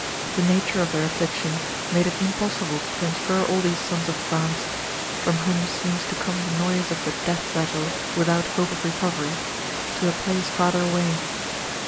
The nature of their affliction made it impossible to transfer all these sons of France, from whom seems to come the noise of the death rattle without hope of recovery, to a place farther away.